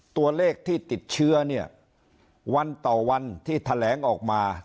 ตัวเลขที่ติดเชื้อเนี่ยวันต่อวันที่แถลงออกมา